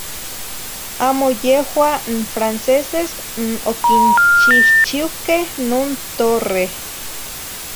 Amo yehuah n franceses n oquichihchiuqueh non torreh.